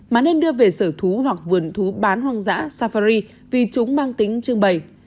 mà nên đưa về sở thú hoặc vườn thú bán hoang dã safari vì chúng mang tính trưng bày